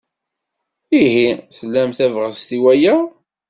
Ihi tlam tabɣest i waya?